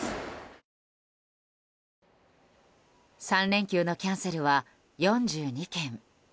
３連休のキャンセルは４２件。